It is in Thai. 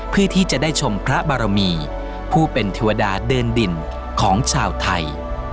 เพื่อที่จะได้ชมพระบารมีผู้เป็นเทวดาเดินดินของชาวไทย